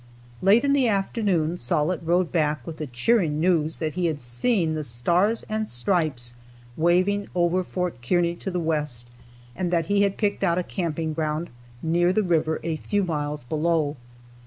Late in the afternoon Sollitt rode back with the cheering news that he had seen the Stars and Stripes waving over Fort Kearney to the west and that he had picked out a camping ground near the river a few miles below.